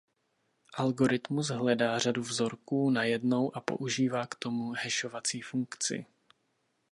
Algoritmus hledá řadu vzorků najednou a používá k tomu hašovací funkci.